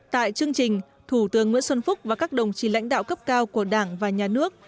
tại chương trình thủ tướng nguyễn xuân phúc và các đồng chí lãnh đạo cấp cao của đảng và nhà nước